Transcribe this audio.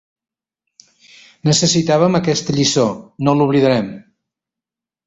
Necessitàvem aquesta lliçó, no l'oblidarem.